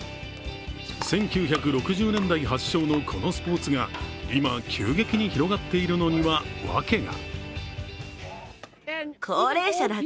１９６０年代発祥のこのスポーツが今急激に広がっているのにはわけが。